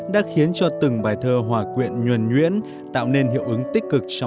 đã khiến cho từng bài thơ hòa quyện nhuền nhuyễn tạo nên hiệu ứng tích cực trong lòng bạn đọc